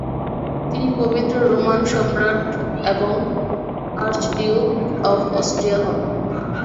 তিনি পবিত্র রোমান সম্রাট এবং আর্চডিউক অফ অস্ট্রিয়া হন।